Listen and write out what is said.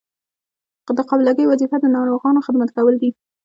د قابله ګۍ وظیفه د ناروغانو خدمت کول دي.